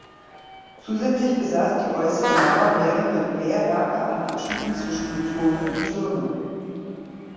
Zusätzlich besaß die äußere Mauer mehrere Wehrerker an Abschnitten zwischen den Toren und Türmen.